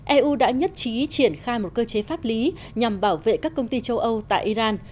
eu đã nhất trí triển khai một cơ chế pháp lý nhằm bảo vệ các công ty châu âu tại iran